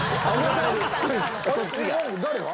誰が？」